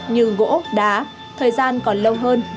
như gỗ đá thời gian còn lâu hơn